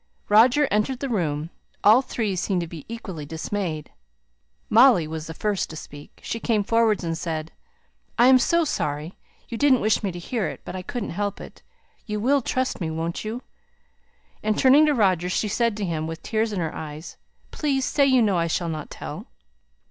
Roger entered the room. All three seemed to be equally dismayed. Molly was the first to speak; she came forward and said "I am so sorry! I didn't wish to hear it, but I couldn't help it. You will trust me, won't you?" and turning to Roger she said to him with tears in her eyes "Please say you know I shall not tell."